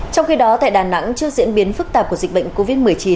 trong khi đó tại đà nẵng trước diễn biến phức tạp của dịch bệnh covid một mươi chín